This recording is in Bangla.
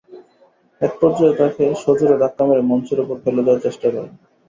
একপর্যায়ে তাঁকে সজোরে ধাক্কা মেরে মঞ্চের ওপর ফেলে দেওয়ার চেষ্টা করেন।